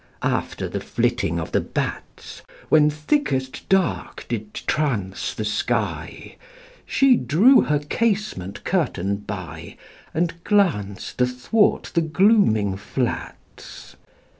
After the flitting of the bats, When thickest dark did trance the sky, She drew her casement curtain by, And glanced athwart the glooming flats.